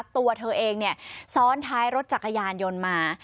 ตัวเธอเองซ้อนท้ายรถจักรยานยนต์มา